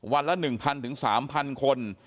วันละ๑๐๐๓๐๐คน